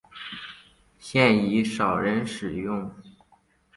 现已少人使用。